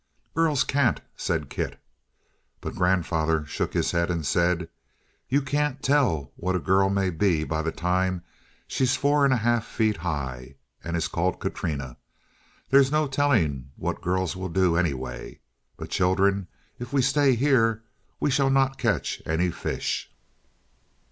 "Girls can't," said Kit. But grandfather shook his head and said: "You can't tell what a girl may be by the time she's four feet and a half high and is called Katrina. There's no telling what girls will do, anyway. But, children, if we stay here we shall not catch any fish."